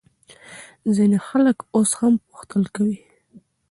ځینې خلک اوس هم پوښتل کوي.